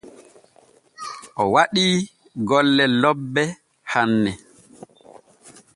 O waɗii golle lobbe hanne.